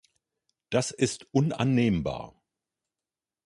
Das ist unannehmbar!